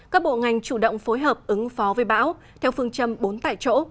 các bộ ngành chủ động phối hợp ứng phó với bão theo phương châm bốn tại chỗ